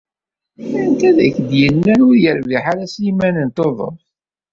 Anta i ak-d-yennan ur yerbiḥ ara Sliman n Tuḍeft?